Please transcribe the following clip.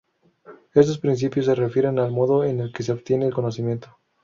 Estos principios se refieren al modo en que se obtiene el conocimiento.